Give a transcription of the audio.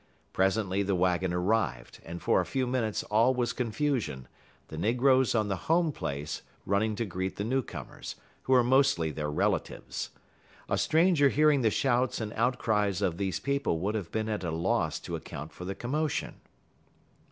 Presently the wagon arrived, and for a few minutes all was confusion, the negroes on the Home place running to greet the new comers, who were mostly their relatives. A stranger hearing the shouts and outcries of these people would have been at a loss to account for the commotion.